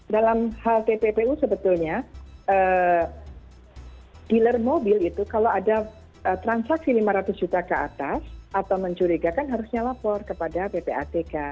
dalam hal tppu sebetulnya dealer mobil itu kalau ada transaksi lima ratus juta ke atas atau mencurigakan harusnya lapor kepada ppatk